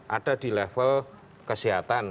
ada di level kesehatan